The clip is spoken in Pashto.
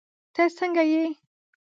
تہ سنګه یی